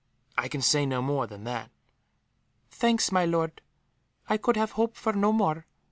I can say no more than that." "Thanks, my lord, I could have hoped for no more.